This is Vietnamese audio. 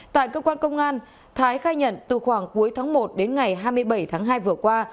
tại cơ quan công an thái khai nhận từ khoảng cuối tháng một đến ngày hai mươi bảy tháng hai vừa qua